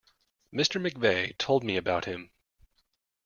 Mr McVeigh told me about him.